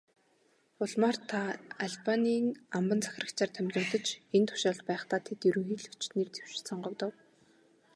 Улмаар та Албанийн амбан захирагчаар томилогдож, энэ тушаалд байхдаа дэд ерөнхийлөгчид нэр дэвшиж, сонгогдов.